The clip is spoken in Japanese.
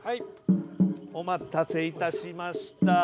お待たせいたしました。